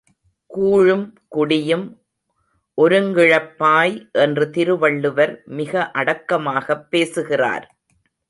கூழும் குடியும் ஒருங்கிழப்பாய் என்று திருவள்ளுவர் மிக அடக்கமாகப் பேசுகிறார்.